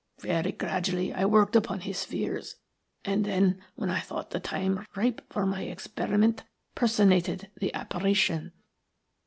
Very gradually I worked upon his fears, and then, when I thought the time ripe for my experiment, personated the apparition.